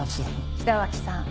北脇さん